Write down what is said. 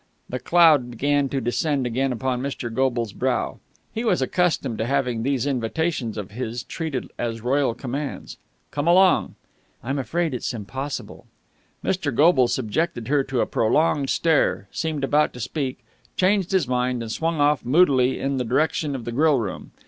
The cloud began to descend again upon Mr. Goble's brow. He was accustomed to having these invitations of his treated as royal commands. "Come along!" "I'm afraid it's impossible." Mr. Goble subjected her to a prolonged stare, seemed about to speak, changed his mind, and swung off moodily in the direction of the grill room.